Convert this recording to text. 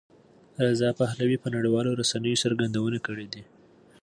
رضا پهلوي په نړیوالو رسنیو څرګندونې کړې دي.